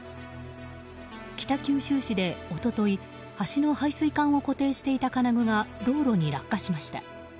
北九州市で一昨日橋の配水管を固定していた金具が道路に落下しました。